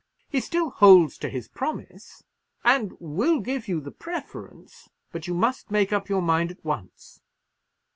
He still holds to his promise, and will give you the preference; but you must make up your mind at once."